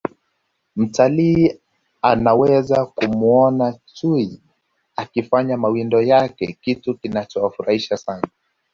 mtalii anaweza kumuona chui akifanya mawindo yake kitu kinachofurahisha sana